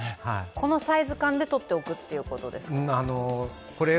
このサイズ感でとっておくということですか？